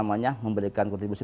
adalah sebuah lataran stack